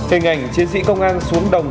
hình ảnh chiến sĩ công an xuống đồng